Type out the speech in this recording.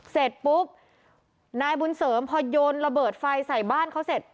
เสร็จปุ๊บนายบุญเสริมพอโยนระเบิดไฟใส่บ้านเขาเสร็จ